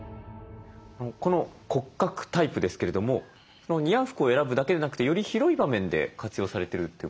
この骨格タイプですけれども似合う服を選ぶだけでなくてより広い場面で活用されてるということですね？